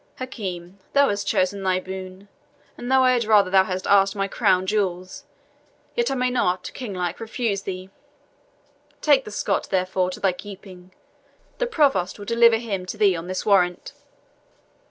Hakim, thou hast chosen thy boon; and though I had rather thou hadst asked my crown jewels, yet I may not, kinglike, refuse thee. Take this Scot, therefore, to thy keeping; the provost will deliver him to thee on this warrant."